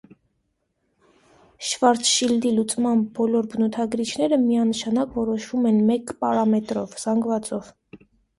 Շվարցշիլդի լուծման բոլոր բնութագրիչները միանշանակ որոշվում են մեկ պարամետրով՝ զանգվածով։